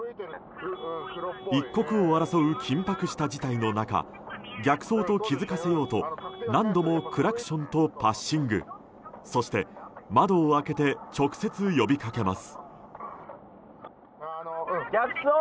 一刻を争う緊迫した事態の中逆走と気づかせようと何度もクラクションとパッシングそして、窓を開けて直接呼びかけます。